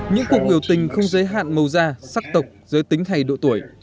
những cuộc biểu tình không giới hạn màu da sắc tộc giới tính hay độ tuổi